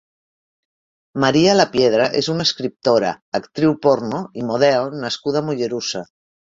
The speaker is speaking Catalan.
María Lapiedra és una escriptora, actriu porno i model nascuda a Mollerussa.